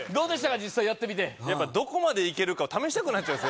実際やってみてやっぱどこまでいけるかを試したくなっちゃうんです